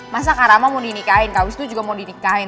masa karama mau dinikahin kak wisnu juga mau dinikahin